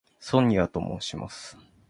ソニアと申します。